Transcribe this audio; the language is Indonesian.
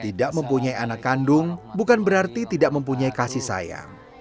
tidak mempunyai anak kandung bukan berarti tidak mempunyai kasih sayang